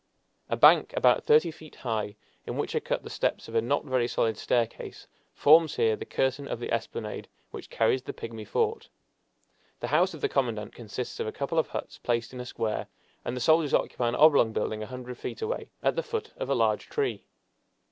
A bank about thirty feet high, in which are cut the steps of a not very solid staircase, forms here the curtain of the esplanade which carries the pigmy fort. The house of the commandant consists of a couple of huts placed in a square, and the soldiers occupy an oblong building a hundred feet away, at the foot of a large tree.